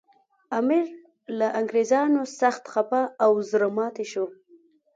امیر له انګریزانو سخت خپه او زړه ماتي شو.